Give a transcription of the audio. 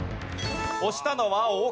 押したのはおっ！